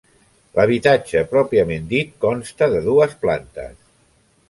L'habitatge pròpiament dit consta de dues plantes.